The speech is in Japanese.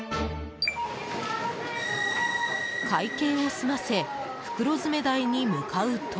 会計を済ませ袋詰め台に向かうと。